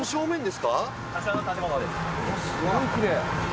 すごいきれい。